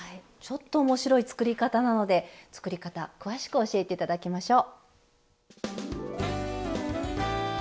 ちょっと面白い作り方なので作り方詳しく教えて頂きましょう。